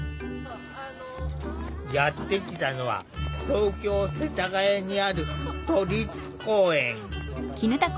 やって来たのは東京・世田谷にある都立公園。